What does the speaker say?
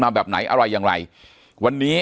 ปากกับภาคภูมิ